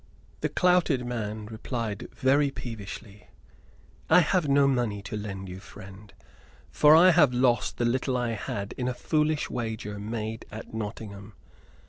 The clouted man replied very peevishly: "I have no money to lend you, friend; for I have lost the little I had in a foolish wager made at Nottingham.